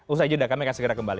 usah aja kami akan segera kembali